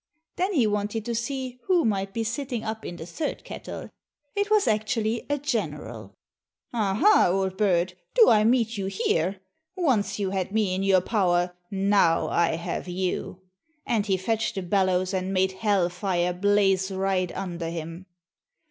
Then he wanted to see who might be sitting up in the third kettle it was actually be but a general. "Aha, old bird, do I meet you here? Once you had me in your power, now I have you." And he fetched the bellows and made hell fire blaze right under him.